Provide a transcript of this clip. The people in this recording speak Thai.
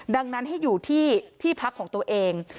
ดังนั้นให้อยู่ที่ที่พักของตัวเอง